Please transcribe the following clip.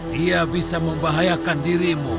dia bisa membahayakan dirimu